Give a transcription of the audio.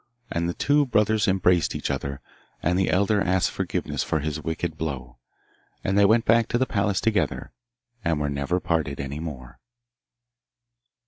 And the two brothers embraced each other, and the elder asked forgiveness for his wicked blow; and they went back to the palace together, and were never parted any more.